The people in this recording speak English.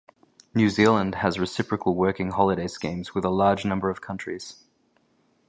New Zealand has reciprocal working holiday schemes with a large number of countries.